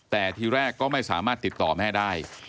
แต่ทีแรกก็ไม่สามารถติดต่อแม่ได้